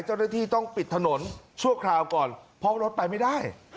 เจ้าหน้าที่ต้องปิดถนนชั่วคราวก่อนเพราะรถไปไม่ได้